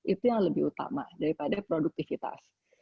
itu yang lebih utama daripada produktivitas